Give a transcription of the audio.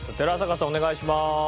お願いします。